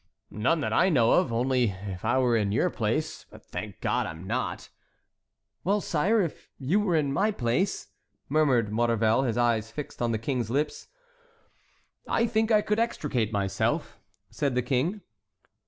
"None that I know of; only if I were in your place—but thank God I am not"— "Well, sire, if you were in my place?" murmured Maurevel, his eyes fixed on the King's lips. "I think I could extricate myself," said the King.